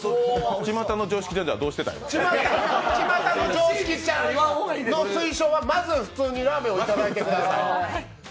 「ちまたのジョーシキちゃん」の推奨はまず、普通にラーメンをいただいてください。